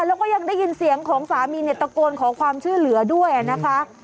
แล้วก็ยังได้ยินเสียงของสามีเนี่ยตะโกนขอความช่วยเหลือด้วยนะคะ